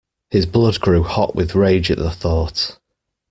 His blood grew hot with rage at the thought.